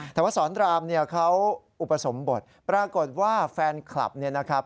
แต่ว่าสอนรามเนี่ยเขาอุปสมบทปรากฏว่าแฟนคลับเนี่ยนะครับ